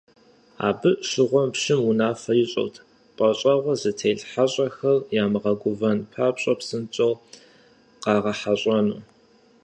Абы щыгъуэм пщым унафэ ищӀырт - пӏащӏэгъуэ зытелъ хьэщӀэхэр ямыгувэн папщӏэ псынщӀэу къагъэхьэщӏэну.